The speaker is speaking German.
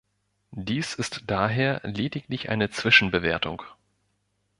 Dies ist daher lediglich eine Zwischenbewertung.